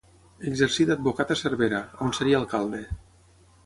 Exercí d'advocat a Cervera, on seria alcalde.